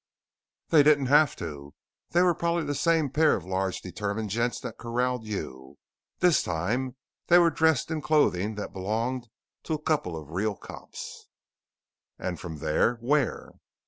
"They didn't have to. They were probably the same pair of large determined gents that corralled you. This time they were dressed in clothing that belonged to a couple of real cops." "And from there where?"